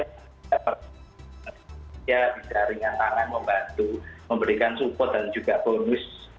kita bisa ringan tangan membantu memberikan support dan juga bonus